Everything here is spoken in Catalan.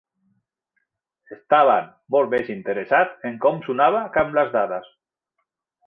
Estaven molt més interessats en com sonava que en les dades!